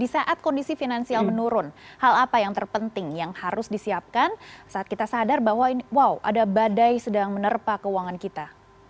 di saat kondisi finansial menurun hal apa yang terpenting yang harus disiapkan saat kita sadar bahwa wow ada badai sedang menerpa keuangan kita